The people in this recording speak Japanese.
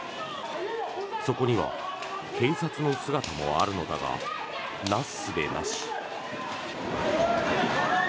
そこには警察の姿もあるのだがなすすべなし。